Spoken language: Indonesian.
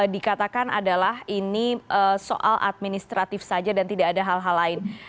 dikatakan adalah ini soal administratif saja dan tidak ada hal hal lain